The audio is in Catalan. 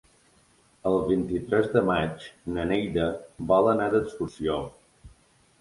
El vint-i-tres de maig na Neida vol anar d'excursió.